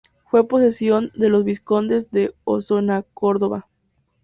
Fue posesión de los vizcondes de Osona-Cardona.